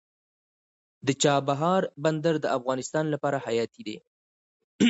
د چابهار بندر د افغانستان لپاره حیاتي دی